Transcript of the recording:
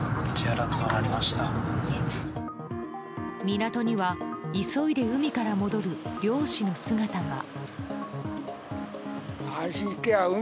港には急いで海から戻る漁師の姿が。